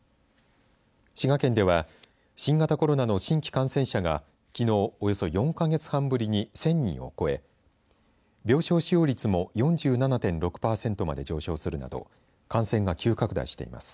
滋賀県では新型コロナの新規感染者がきのう、およそ４か月半ぶりに１０００人を超え病床使用率も４７．６パーセントまで上昇するなど感染が急拡大しています。